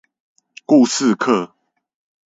故事課